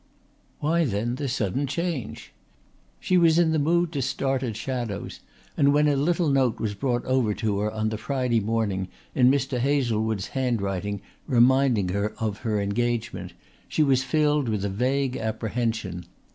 Why then the sudden change? She was in the mood to start at shadows and when a little note was brought over to her on the Friday morning in Mr. Hazlewood's handwriting reminding her of her engagement she was filled with a vague apprehension.